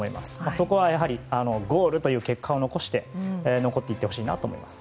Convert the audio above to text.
そこはやはりゴールという結果を残して残っていってほしいと思います。